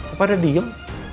apa ada diem